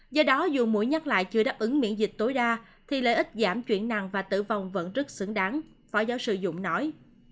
do đó dù mũi nhắc lại chưa đáp ứng miễn dịch tối đa thì lợi ích giảm chuyển nặng và tử vong vẫn rất xứng đáng phó giáo sư dũng nói